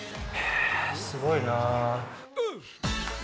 すごいな。